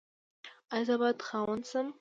ایا زه باید خاوند شم؟